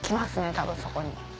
多分そこに。